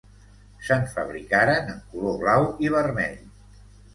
Se'n fabricaren en color blau i vermell.